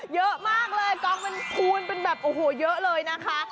เยอะมากเลยกองเป็นคูณเป็นแบบโอ้โหเยอะเลยนะคะ